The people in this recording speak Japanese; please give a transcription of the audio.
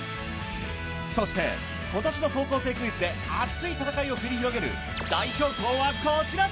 そして今年の『高校生クイズ』で熱い戦いを繰り広げる代表校はこちらだ！